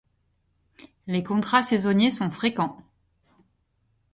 Les contrats saisonniers sont fréquents.